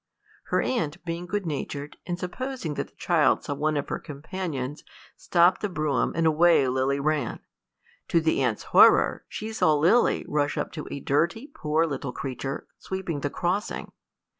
Her aunt being good natured, and supposing that the child saw one of her companions, stopped the brougham, and away Lily ran. To the aunt's horror, she saw Lily rush up to a dirty poor little creature sweeping the crossing.